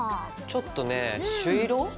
ちょっとね朱色？